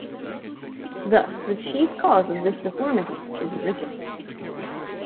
Thus the chief cause of this deformity is rickets.